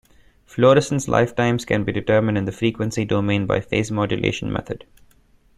Fluorescence lifetimes can be determined in the frequency domain by a phase-modulation method.